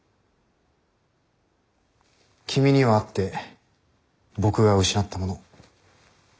君にはあって僕が失ったもの。